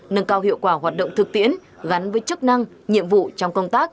nâng cao hiệu quả hoạt động thực tiễn gắn với chức năng nhiệm vụ trong công tác